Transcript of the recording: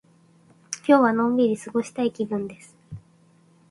今日はのんびり過ごしたい気分です。